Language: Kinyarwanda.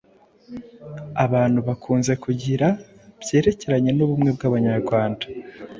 abantu bakunze kugira byerekeranye n'ubumwe bw'Abanyarwanda.